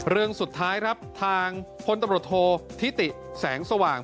เรื่องสุดท้ายครับทางพลตำรวจโทษธิติแสงสว่าง